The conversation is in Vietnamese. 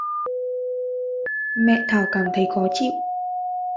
mẹ Thảo cảm thấy khó chịu